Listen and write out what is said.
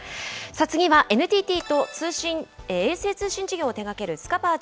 次はＮＴＴと衛星通信事業を手がけるスカパーＪＳＡＴ。